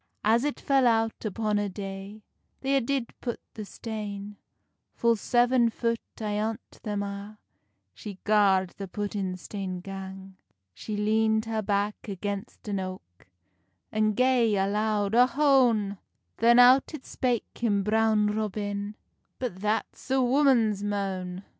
As it fell out upon a day, They a did put the stane; Full seven foot ayont them a She gard the puttin stane gang. She leand her back against an oak, And gae a loud Ohone! Then out it spake him Brown Robin, "But that's a woman's moan!"